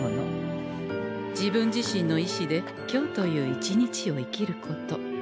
自分自身の意志で今日という一日を生きること。